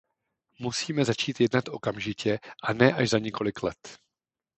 Musíme začít jednat okamžitě a ne až za několik let.